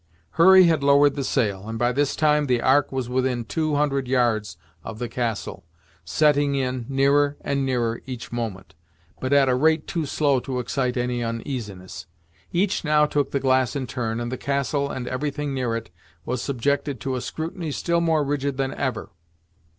Hurry had lowered the sail, and by this time the Ark was within two hundred yards of the castle, setting in, nearer and nearer, each moment, but at a rate too slow to excite any uneasiness. Each now took the glass in turn, and the castle, and every thing near it, was subjected to a scrutiny still more rigid than ever.